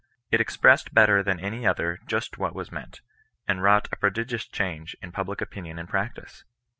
It expressed better than any other just what was meant, and wrought a prodigious change in public opinion and pTa.et\c.^.